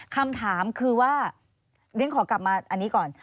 คำถามคือว่าเรียนขอกลับมาอันนี้ก่อน